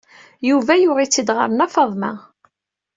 Yuba yuɣ-itt-id ɣer Nna Faḍma.